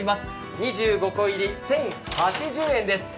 ２５個入り、１０８０円です。